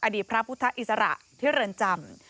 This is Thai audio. อดีตพระพุทธอิสระที่เรือนจำ